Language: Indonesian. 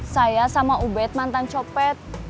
saya sama ubed mantan copet